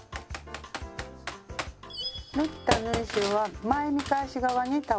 縫った縫い代は前見返し側に倒します。